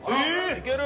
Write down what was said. いける？